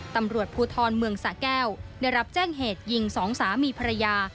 ตำรวจภูทรเมืองสะแก้วได้รับแจ้งเหตุยิงสองสามีภรรยา